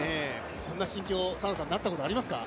こんな心境、澤野さんなったことありますか？